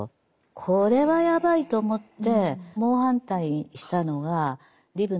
これはやばいと思って猛反対したのがリブのおねえさんたちでね。